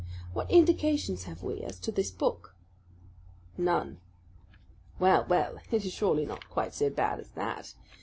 What indications have we as to this book?" "None." "Well, well, it is surely not quite so bad as that.